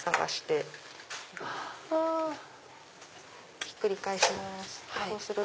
うわ！ひっくり返します。